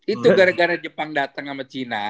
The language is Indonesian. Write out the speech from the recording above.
itu gara gara jepang dateng sama cina